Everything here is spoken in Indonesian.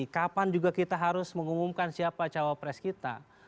kapan juga kita harus mengumumkan siapa cawapres kita